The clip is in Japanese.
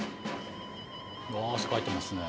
あ汗かいてますね。